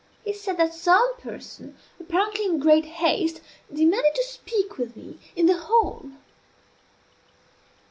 He said that some person, apparently in great haste, demanded to speak with me in the hall.